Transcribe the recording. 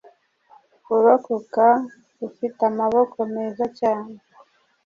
Kurokoka ufite amahoro meza cyane